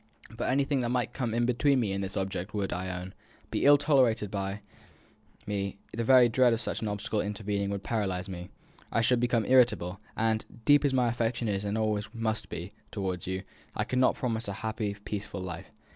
But anything that might come in between me and this object would, I own, be ill tolerated by me; the very dread of such an obstacle intervening would paralyse me. I should become irritable, and, deep as my affection is, and always must be, towards you, I could not promise you a happy, peaceful life.